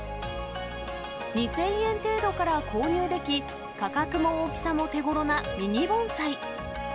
２０００円程度から購入でき、価格も大きさも手頃なミニ盆栽。